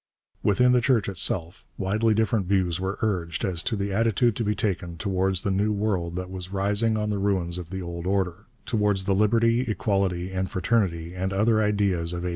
Within the Church itself widely different views were urged as to the attitude to be taken towards the new world that was rising on the ruins of the old order, towards the Liberty, Equality, and Fraternity and other ideas of '89.